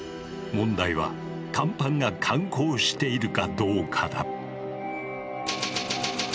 問題は乾板が感光しているかどうかだ。